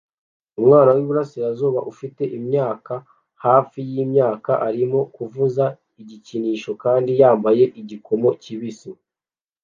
Umwana wiburasirazuba ufite imyaka hafi yimyaka arimo kuvuza igikinisho kandi yambaye igikomo kibisi